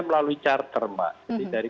melalui charter dari